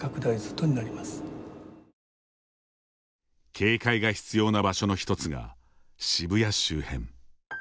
警戒が必要な場所の１つが渋谷周辺。